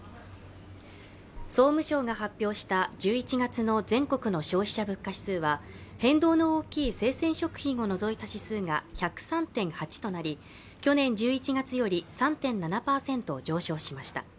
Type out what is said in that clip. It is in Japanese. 総務省が発表した１１月の全国の消費者物価指数は変動の大きい生鮮食品を除いた指数が１０３．８となり去年１１月より３．７％上昇しました。